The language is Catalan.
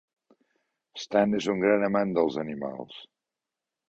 Stan és un gran amant dels animals.